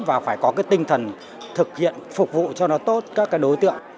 và phải có cái tinh thần thực hiện phục vụ cho nó tốt các đối tượng